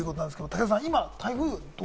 武田さん。